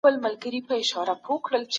د ژوند حق د خدای لخوا امانت دی.